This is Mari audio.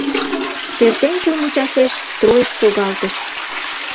Пӧртӧнчыл мучашеш стройыш шогалтыш.